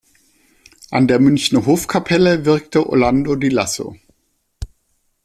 An der Münchener Hofkapelle wirkte Orlando di Lasso.